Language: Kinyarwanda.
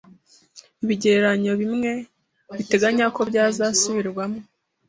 Ibigereranyo bimwe biteganya ko byazasubirwamo